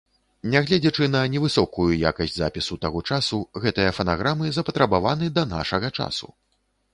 Нягледзячы на невысокую якасць запісу таго часу, гэтыя фанаграмы запатрабаваны да нашага часу.